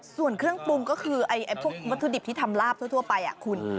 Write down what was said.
ส่วนเครื่องปรุงก็คือพวกวัตถุดิบที่ทำลาบทั่วไปคุณ